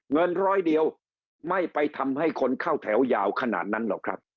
เงินร้อยเดียวไม่ไปทำให้คนเข้าแถวยาวขนาดนั้นหรอกครับ